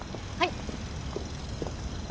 はい。